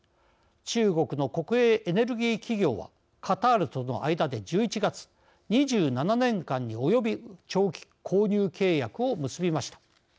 中国の国営エネルギー企業はカタールとの間で１１月２７年間に及び長期、購入契約を結びました。